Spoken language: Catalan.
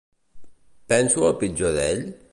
Penso el pitjor d"ell?